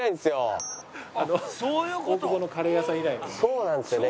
そうなんですよね。